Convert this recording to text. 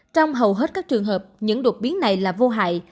trong hầu hết các trường hợp những đột biến này là vô hại